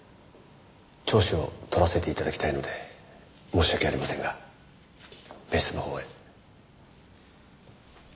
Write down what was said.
調書を取らせて頂きたいので申し訳ありませんが別室のほうへ。